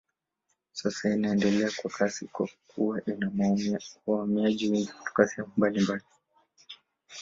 Sasa inaendelea kwa kasi kwa kuwa ina wahamiaji wengi kutoka sehemu mbalimbali.